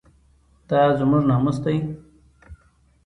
دا زموږ ناموس دی؟